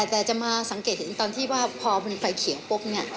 แต่จะมาสังเกตเห็นตอนที่ว่าพอเป็นไฟเขียวปุ๊บเนี่ย